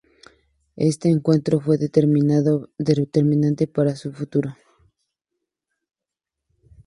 Este encuentro fue determinante para su futuro.